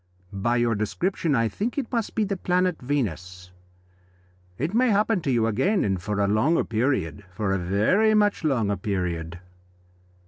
By your description I think it must be the planet Venus. It may happen to you again, and for a longer period for a very much longer period."